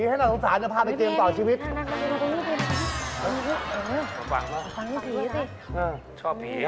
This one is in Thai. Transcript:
ถ้าเราสงสารจะพาไปเกมต่อชีวิต